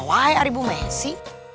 woy ibu messi